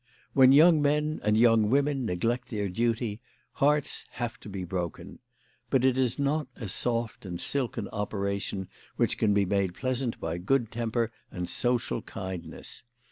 When young men and young women neglect their duty, hearts have to be broken. But it is not a soft and silken operation, which can be made pleasant by good temper and social kindness.